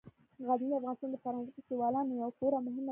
غزني د افغانستان د فرهنګي فستیوالونو یوه خورا مهمه برخه ده.